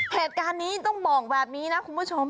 เหตุการณ์นี้ต้องบอกแบบนี้นะคุณผู้ชม